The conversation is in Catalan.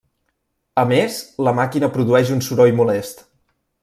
A més, la màquina produeix un soroll molest.